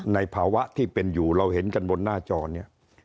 ในภาวะที่เป็นอยู่เราเห็นกันบนหน้าจอเนี่ย